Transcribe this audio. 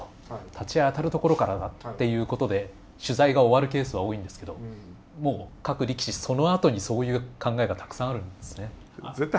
立ち合い当たるところからだっていうことで取材が終わるケースは多いんですけどもう各力士そのあとにそういう考えがたくさんあるんですね。